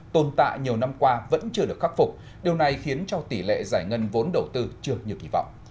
tồn tại nhiều năm qua vẫn chưa được khắc phục điều này khiến cho tỷ lệ giải ngân vốn đầu tư chưa như kỳ vọng